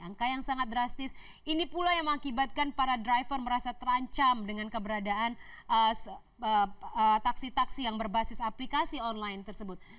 angka yang sangat drastis ini pula yang mengakibatkan para driver merasa terancam dengan keberadaan taksi taksi yang berbasis aplikasi online tersebut